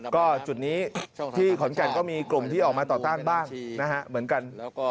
ก็จุดนี้ที่ขอนแก่นก็มีกลุ่มที่ออกมาต่อต้านบ้างนะฮะเหมือนกัน